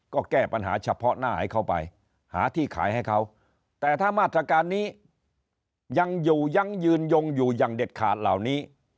ก็แก้ปัญหาเฉพาะหน้าให้เข้าไปหาที่ขายให้เขาแต่ถ้ามาตรการนี้ยังอยู่ยังยืนยงอยู่อย่างเด็ดขาดเหล่านี้